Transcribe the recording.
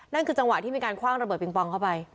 นั่นคือจังหวะที่มีการคว่างระเบิงปองเข้าไป